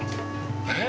えっ？